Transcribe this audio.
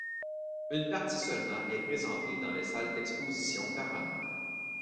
Une partie seulement est présentée dans les salles d’exposition permanentes.